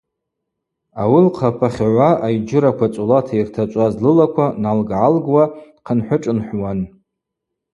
Ауи лхъапахьгӏва айджьыраква цӏолата йыртачӏваз лылаква налггӏалгуа дхъынхӏвышӏынхӏвуан.